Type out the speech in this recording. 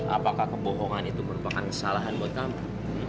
apakah kebohongan itu merupakan kesalahan buat kamu